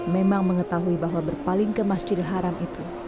memang mengetahui bahwa berpalingkanlah mukamu ke arahnya